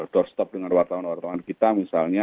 doorstop dengan wartawan wartawan kita misalnya